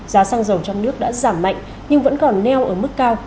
giá xăng dầu trong nước đã giảm mạnh nhưng vẫn còn neo ở mức cao